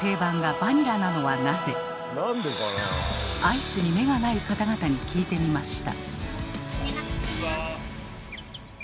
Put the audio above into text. アイスに目がない方々に聞いてみました。